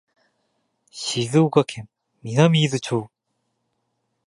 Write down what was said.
静岡県南伊豆町